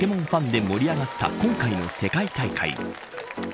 多くのポケモンファンで盛り上がった今回の世界大会。